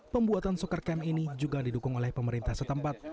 pembuatan soccer camp ini juga didukung oleh pemerintah setempat